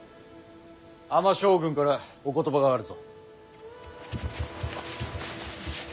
尼将軍からお言葉があるぞ。